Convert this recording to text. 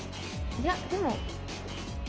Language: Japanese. いやでも。